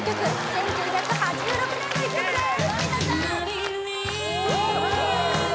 １９８６年の１曲です